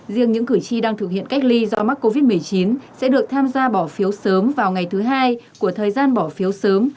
riêng những cử tri đang thực hiện cách ly do mắc covid một mươi chín sẽ được tham gia bỏ phiếu sớm vào ngày thứ hai của thời gian bỏ phiếu sớm